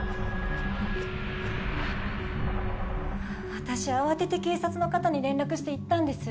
私慌てて警察の方に連絡して言ったんです。